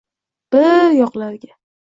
“Bi-i-ir yoqlarga…”